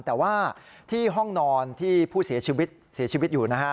แต่ว่าที่ห้องนอนที่ผู้เสียชีวิตเสียชีวิตอยู่นะฮะ